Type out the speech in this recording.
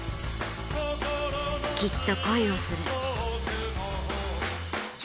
きっと恋をする。